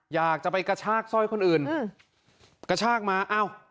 อยากจะไปกระชากสร้อยคนอื่นกระชากมาอ้าว